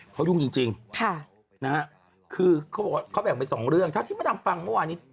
เขายุ่งจริงคือเขาแบ่งไปสองเรื่องถ้าที่มาทางฟังว่านี้